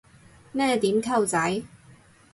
咩點溝仔